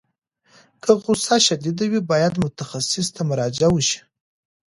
که غوسه شدید وي، باید متخصص ته مراجعه وشي.